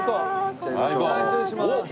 失礼します。